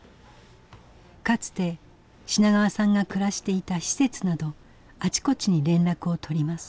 かつて品川さんが暮らしていた施設などあちこちに連絡を取ります。